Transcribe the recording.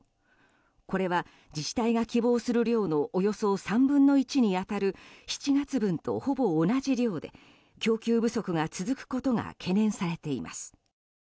これは自治体が希望する量のおよそ３分の１に当たる７月分とほぼ同じ量で供給不足が続くことが懸念されています。